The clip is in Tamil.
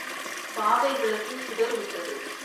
பாவை விளக்கு சுடர் விட்டது.